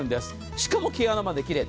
しかも毛穴まできれい。